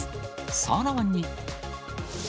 さらに。